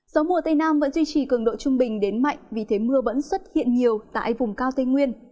gió mùa tây nam vẫn duy trì cường độ trung bình đến mạnh vì thế mưa vẫn xuất hiện nhiều tại vùng cao tây nguyên